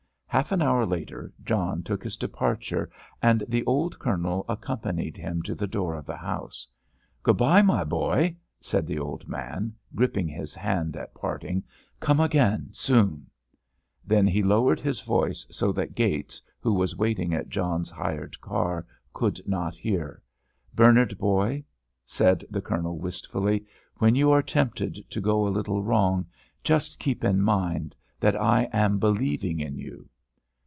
Half an hour later John took his departure, and the old Colonel accompanied him to the door of the house. "Good bye, my boy," said the old man, gripping his hand at parting, "come again soon"; then he lowered his voice so that Gates, who was waiting at John's hired car, could not hear, "Bernard, boy," said the Colonel wistfully, "when you are tempted to go a little wrong, just keep in mind that I am believing in you."